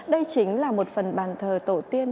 đây chính là một phần bàn thờ tổ tiên